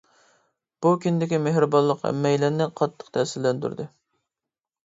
بۇ كۈندىكى مېھرىبانلىق ھەممەيلەننى قاتتىق تەسىرلەندۈردى.